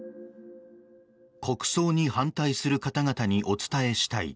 国葬に反対する方々にお伝えしたい。